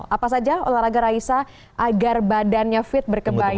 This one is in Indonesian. apa saja olahraga raisa agar badannya fit berkebaya